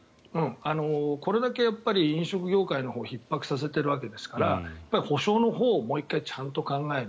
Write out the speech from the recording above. これだけやっぱり、飲食業界をひっ迫させているわけですから補償のほうをもう１回ちゃんと考える。